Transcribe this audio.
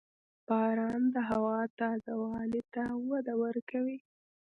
• باران د هوا تازه والي ته وده ورکوي.